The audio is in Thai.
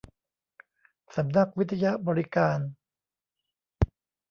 สำนักวิทยบริการ